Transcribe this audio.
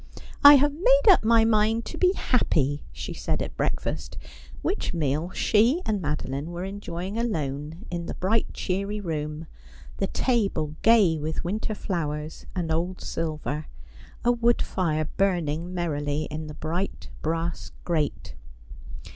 ' I have made up my mind to be happy,' she said at break fast ; which meal she and Madoline were enjoying alone in the bright cheery room, the table gay with winter flowers and old silver, a wood fire burning merrily in the bright brass grate.